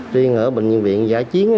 chuyên ở bệnh viện giải chiến